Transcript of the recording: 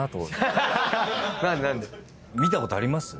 見たことあります？